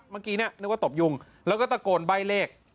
เมื่อกี้เนี่ยนึกว่าตบยุงแล้วก็ตะโกนใบ้เลข